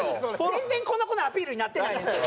全然この子のアピールになってないねんって。